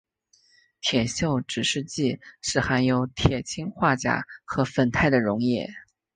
铁锈指示剂是含有铁氰化钾和酚酞的溶液。